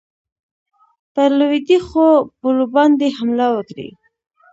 پر لوېدیخو پولو باندي حمله وکړي.